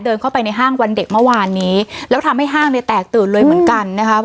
เดินเข้าไปในห้างวันเด็กเมื่อวานนี้แล้วทำให้ห้างเนี่ยแตกตื่นเลยเหมือนกันนะคะ